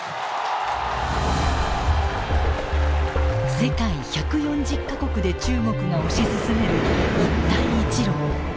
世界１４０か国で中国が推し進める一帯一路。